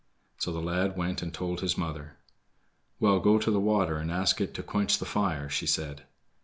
So the lad went and told his mother. "Well, go to the water, and ask it to quench the fire," she said.